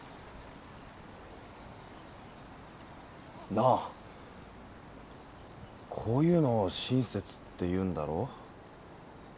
なあこういうのを親切って言うんだろ？